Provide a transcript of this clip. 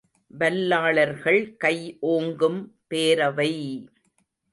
வல்லாளர்கள் கை ஓங்கும் பேரவை!